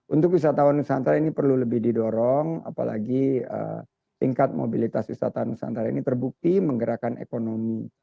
untuk wisatawan nusantara ini perlu lebih didorong apalagi tingkat mobilitas wisata nusantara ini terbukti menggerakkan ekonomi